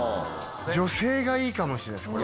女性がいいかもしれない。